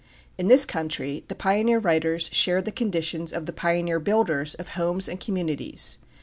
In this country the pioneer writers shared the conditions of the pioneer builders of homes and communities.